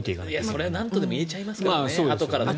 それは、なんとでも言えちゃいますからね。